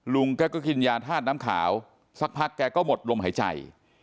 ลุงแกก็กินยาธาตุน้ำขาวสักพักแกก็หมดลมหายใจ